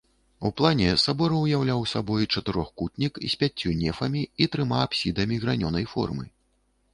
У плане сабор уяўляў сабой чатырохкутнік з пяццю нефамі і трыма апсідамі гранёнай формы.